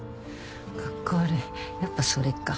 カッコ悪いやっぱそれか。